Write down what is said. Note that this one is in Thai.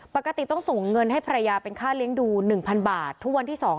ปกติต้องส่งเงินให้ภรรยาเป็นค่าเลี้ยงดู๑๐๐บาททุกวันที่๒